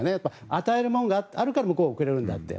与えるものがあるから向こうがくれるのであって。